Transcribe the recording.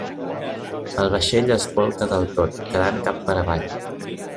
El vaixell es bolca del tot, quedant cap per avall.